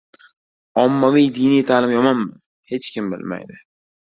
Ommaviy diniy ta’lim yomonmi? — Hech kim bilmaydi